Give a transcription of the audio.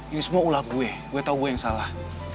ini semua ulat gue gue tau gue yang salah